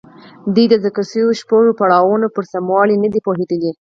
دوی د ذکر شويو شپږو پړاوونو پر سموالي نه دي پوهېدلي.